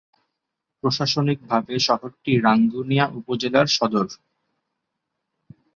প্রশাসনিকভাবে শহরটি রাঙ্গুনিয়া উপজেলার সদর।